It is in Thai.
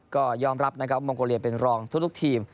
ก็ยอมรับนะครับมองโกเลียเป็นรองทุกทีม